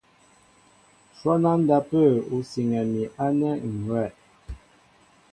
Shwɔ́n á ndápə̂ ú siŋɛ mi ánɛ̂ ŋ̀ hʉ́wɛ̂.